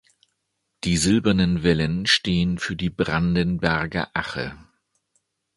Die silbernen Wellen stehen für die Brandenberger Ache.